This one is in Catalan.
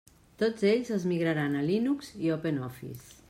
Tots ells es migraran a Linux i OpenOffice.